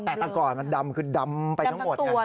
แต่แต่ก่อนมันดำคือดำไปทั้งหมดไง